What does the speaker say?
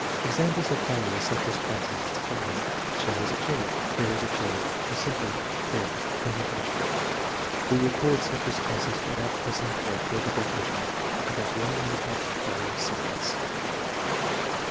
Examples of failure are such responses as the following: "A chair is a chair"; "There is a chair"; or simply, TEST NO. V, 5 169 " There " '(pointing to a chair). We record such responses without pressing for a further definition. About the only other type of failure is silence.